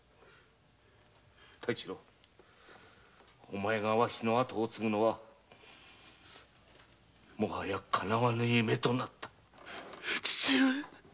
お前がわしの跡を継ぐのはもはやかなわぬ夢となった父上！